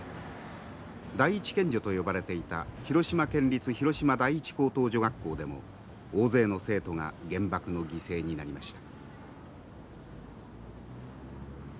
第一県女と呼ばれていた広島県立広島第一高等女学校でも大勢の生徒が原爆の犠牲になりました。